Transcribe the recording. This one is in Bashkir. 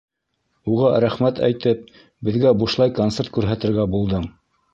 Уға рәхмәт әйтеп, беҙгә бушлай концерт күрһәтергә булдың.